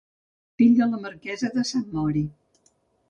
Fill de la marquesa de Sant Mori.